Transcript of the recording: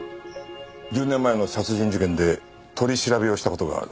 １０年前の殺人事件で取り調べをした事がある。